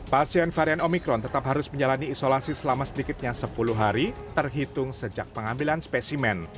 pasien varian omikron tetap harus menjalani isolasi selama sedikitnya sepuluh hari terhitung sejak pengambilan spesimen